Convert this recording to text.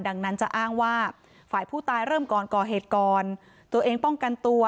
ดังนั้นจะอ้างว่าฝ่ายผู้ตายเริ่มก่อนก่อเหตุก่อนตัวเองป้องกันตัว